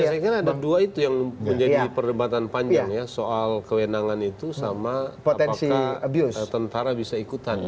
ya saya kira ada dua itu yang menjadi perdebatan panjang ya soal kewenangan itu sama apakah tentara bisa ikutan